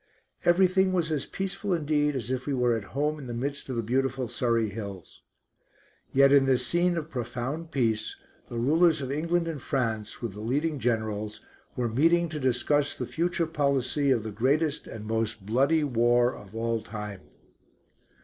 Everything was as peaceful indeed as if we were at home in the midst of the beautiful Surrey Hills. Yet in this scene of profound peace the rulers of England and France, with the leading Generals, were meeting to discuss the future policy of the greatest and most bloody war of all time.